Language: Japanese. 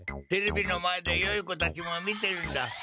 テレビの前でよい子たちも見てるんだ。